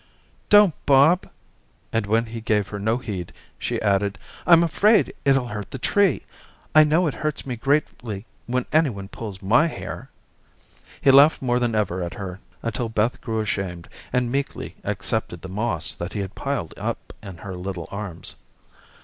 "Don't, Bob," and when he gave her no heed, she added, "I'm afraid it'll hurt the tree. I know it hurts me greatly when any one pulls my hair." He laughed more than ever at her, until Beth grew ashamed, and meekly accepted the moss that he piled up in her little arms.